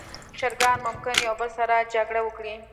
چرګان ممکن یو بل سره جګړه وکړي.